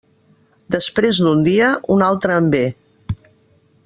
Després d'un dia, un altre en ve.